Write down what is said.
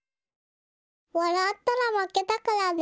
わらったらまけだからね。